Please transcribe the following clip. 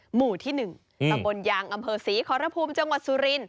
หมู่ที่หนึ่งตะบนยางอำเภอศรีขอระภูมิจังหวัดสุรินทร์